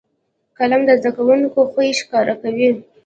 قلم د زده کوونکو خوی ښکاره کوي